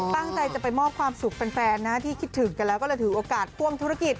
ตั้งใจจะไปมอบความสุขแฟนนะที่คิดถึงกันแล้วก็เลยถือโอกาสพ่วงธุรกิจ